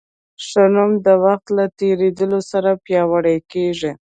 ښه نوم د وخت له تېرېدو سره پیاوړی کېږي.